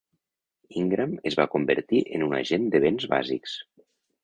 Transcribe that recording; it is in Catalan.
Ingram es va convertir en un agent de bens bàsics.